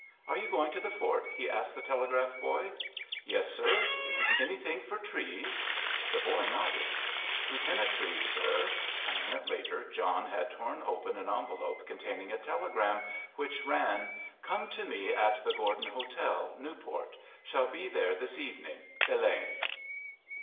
"Are you going to the fort?" he asked the telegraph boy. "Yes, sir." "Anything for Treves?" The boy nodded. "Lieutenant Treves, sir." A minute later John had torn open an envelope containing a telegram, which ran: Come to me at the Gordon Hotel, Newport. Shall be there this evening. ELAINE.